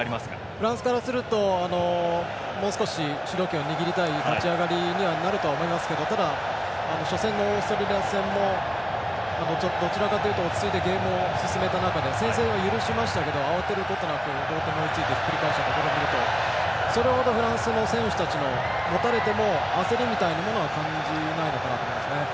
フランスからするともう少し主導権を握りたい立ち上がりにはなるとは思いますけどただ、初戦のオーストラリア戦もどちらかというと落ち着いてゲームを進めた中で先制は許しましたけど慌てることなく同点に追いついてひっくり返したことを考えるとそれほどフランスの選手たちも持たれても焦りみたいなものは感じないのかなと思いますね。